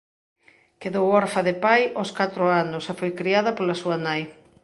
Quedou orfa de pai aos catro anos e foi criada pola súa nai.